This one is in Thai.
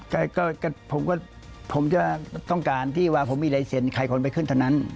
ก็ผมก็ผมจะต้องการที่ว่าผมมีลายเซ็นต์ใครคนไปขึ้นเท่านั้น